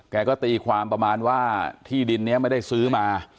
แกก็ตีความประมาณว่าที่ดินนี้ไม่ได้ซื้อมา